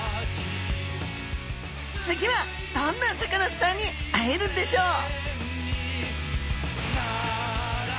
次はどんなサカナスターに会えるんでしょう？